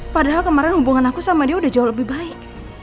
padahal kemarin hubungan aku sama dia udah jauh lebih baik